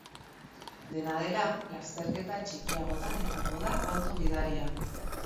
Dena dela, lasterketa txikiagotan izango da auto gidaria.